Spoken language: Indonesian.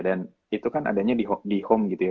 dan itu kan adanya di home gitu ya